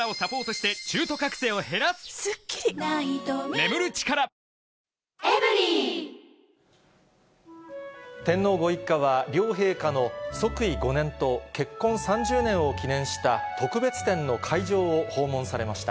うるおいタイプも天皇ご一家は、両陛下の即位５年と、結婚３０年を記念した特別展の会場を訪問されました。